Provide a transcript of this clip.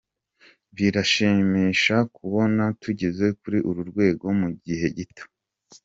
Biradushimsha kubona tugeze kuri uru rwego mu gihe gito.